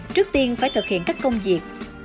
trước tiên phải thực hiện các công việc